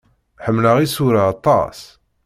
Ḥemmleɣ isura aṭas.